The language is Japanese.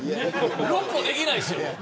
六歩はできないですよ。